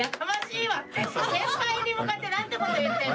先輩に向かってなんて事言ってんの！